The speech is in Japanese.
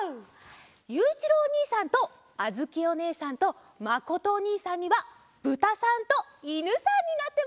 ゆういちろうおにいさんとあづきおねえさんとまことおにいさんにはぶたさんといぬさんになってもらおうっと。